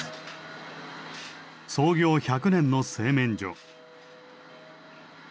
創業１００年の製麺所。